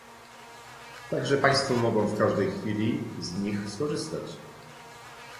Tak że państwo mogą w każdej chwili z nich skorzystać